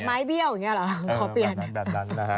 ดอกไม้เบี้ยวอย่างนี้หรอ